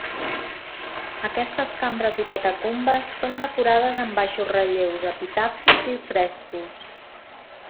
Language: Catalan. Aquestes cambres i catacumbes són decorades amb baixos relleus, epitafis i frescos.